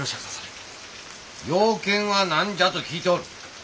用件は何じゃと聞いておる。